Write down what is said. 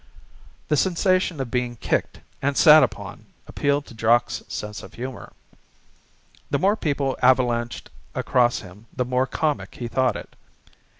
The sensation of being kicked and sat upon appealed to Jock's sense of humour. The more people avalanched across him the more comic he thought it.